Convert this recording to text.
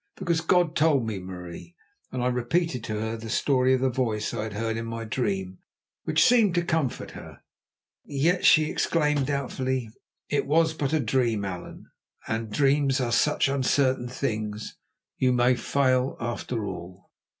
"Because God told me, Marie," and I repeated to her the story of the voice I had heard in my dream, which seemed to comfort her. "Yet, yet," she exclaimed doubtfully, "it was but a dream, Allan, and dreams are such uncertain things. You may fail, after all."